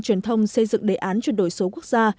truyền thông xây dựng đề án chuyển đổi số quốc gia